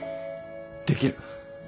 できる。